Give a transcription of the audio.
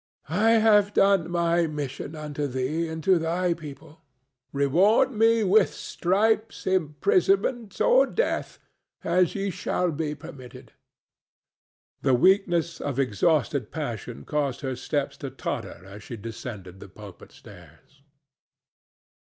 "I have done my mission unto thee and to thy people; reward me with stripes, imprisonment or death, as ye shall be permitted." The weakness of exhausted passion caused her steps to totter as she descended the pulpit stairs.